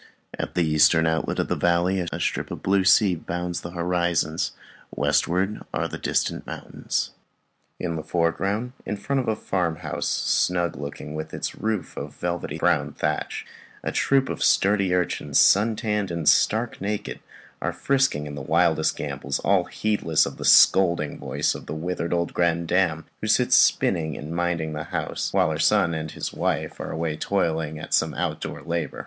At the eastern outlet of the valley a strip of blue sea bounds the horizon; westward are the distant mountains. In the foreground, in front of a farmhouse, snug looking, with its roof of velvety brown thatch, a troop of sturdy urchins, suntanned and stark naked, are frisking in the wildest gambols, all heedless of the scolding voice of the withered old grandam who sits spinning and minding the house, while her son and his wife are away toiling at some outdoor labour.